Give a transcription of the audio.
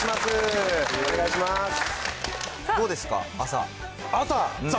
どうですか？